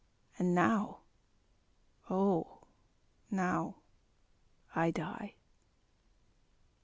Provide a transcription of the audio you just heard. And now, oh! now, I die!